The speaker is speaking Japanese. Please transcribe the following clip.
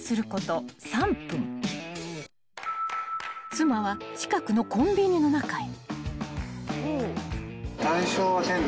［妻は近くのコンビニの中へ］